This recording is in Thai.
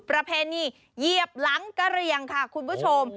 ประเพณีเหยียบหลังกะเรียงค่ะคุณผู้ชม